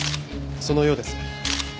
そのようです。